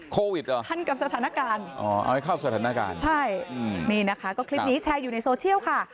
โควิดหรอให้เข้าสถานการณ์ใช่คลิปนี้แชร์อยู่ในโซเชียลค่ะ